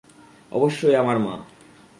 অবশ্যই, আমার মা।